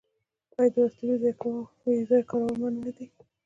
آیا د وسلې بې ځایه کارول منع نه دي؟